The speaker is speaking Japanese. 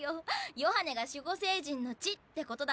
ヨハネが守護聖人の地ってことだと思う。